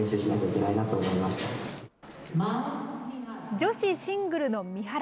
女子シングルの三原。